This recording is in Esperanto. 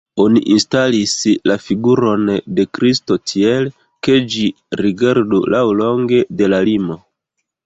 Oni instalis la figuron de Kristo tiel, ke ĝi rigardu laŭlonge de la limo.